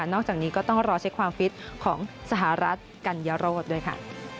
จากนี้ก็ต้องรอเช็คความฟิตของสหรัฐกัญญาโรธด้วยค่ะ